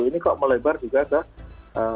ini kok melebar juga ke